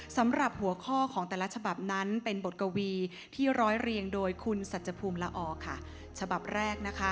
สำหรับหัวข้อของแต่ละฉบับนั้นเป็นบทกวีที่ร้อยเรียงโดยคุณสัจภูมิละออค่ะฉบับแรกนะคะ